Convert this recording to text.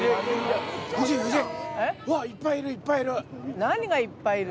うわっ、いっぱいいる、いっぱいいる。